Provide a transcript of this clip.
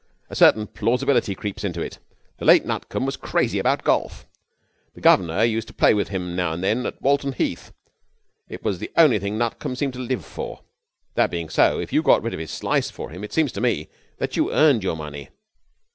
A certain plausibility creeps into it. The late Nutcombe was crazy about golf. The governor used to play with him now and then at Walton Heath. It was the only thing Nutcombe seemed to live for. That being so, if you got rid of his slice for him it seems to me, that you earned your money.